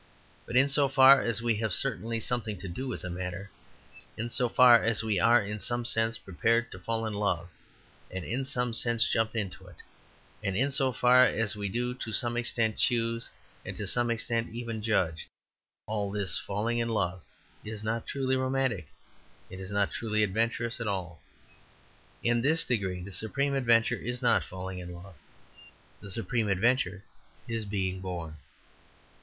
But in so far as we have certainly something to do with the matter; in so far as we are in some sense prepared to fall in love and in some sense jump into it; in so far as we do to some extent choose and to some extent even judge in all this falling in love is not truly romantic, is not truly adventurous at all. In this degree the supreme adventure is not falling in love. The supreme adventure is being born.